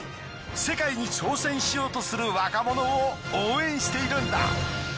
世界に挑戦しようとする若者を応援しているんだ。